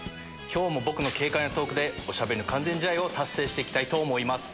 今日も僕の軽快なトークでおしゃべりの完全試合を達成して行きたいと思います。